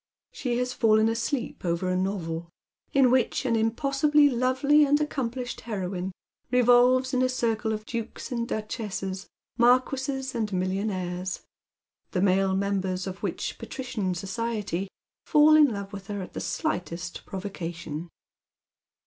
She Las fallen asleep over a novel, in which an impossibly lovely and accomplished heroine revolves in a circle of dukes and duchesses, marquises and millionaires ; the male members of which patiician society fall in love with her at the slightest pro vocation.